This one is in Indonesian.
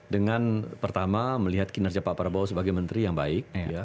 dengan pertama melihat kinerja pak prabowo sebagai menteri yang baik